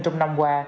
trong năm qua